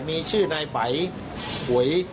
มีชื่อนายไปหวย